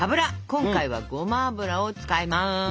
今回はごま油を使います。